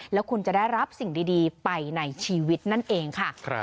แล้วคุณจะได้รับสิ่งดีไปในชีวิตนั่นเองค่ะ